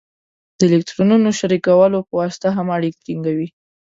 د الکترونونو شریکولو په واسطه هم اړیکې ټینګوي.